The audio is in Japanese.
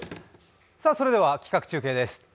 それでは企画中継です。